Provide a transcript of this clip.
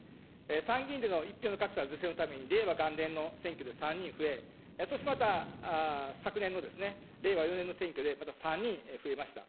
参議院での１票の格差是正のために令和元年の選挙で３人増え、そしてまた昨年の令和４年の選挙でまた３人増えました。